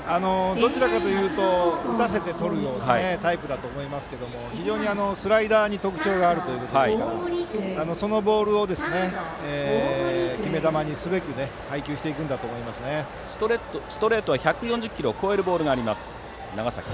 どちらかというと打たせてとるようなタイプだと思いますが非常にスライダーに特徴があるということですからそのボールを決め球にすべくストレートは１４０キロを超えるボールがあります、長崎。